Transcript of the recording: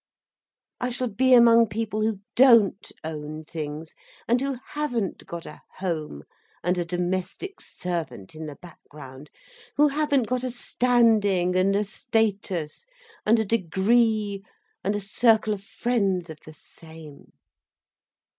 I shall be among people who don't own things and who haven't got a home and a domestic servant in the background, who haven't got a standing and a status and a degree and a circle of friends of the same.